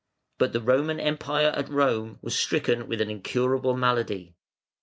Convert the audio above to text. But the Roman Empire at Rome was stricken with an incurable malady.